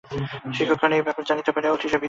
শিক্ষকগণ এই ব্যাপার জানিতে পারিয়া অতিশয় ভীত হইলেন।